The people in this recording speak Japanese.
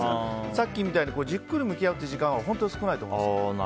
さっきみたいにじっくり向き合う時間は本当に少ないと思います。